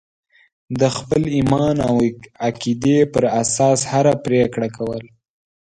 د خپل ایمان او عقیدې پر اساس هره پرېکړه کول.